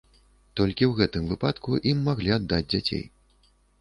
Толькі ў гэтым выпадку ім маглі аддаць дзяцей.